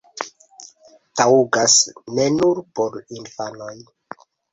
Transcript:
Taŭgas ne nur por infanoj!